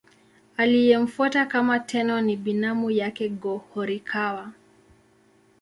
Aliyemfuata kama Tenno ni binamu yake Go-Horikawa.